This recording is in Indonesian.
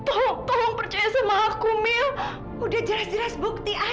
apa bahasan dari kamu ha